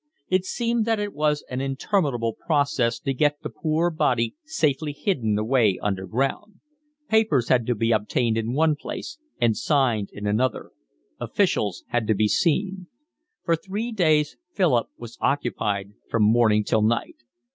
It seemed that it was an interminable process to get the poor body safely hidden away under ground: papers had to be obtained in one place and signed in another; officials had to be seen. For three days Philip was occupied from morning till night.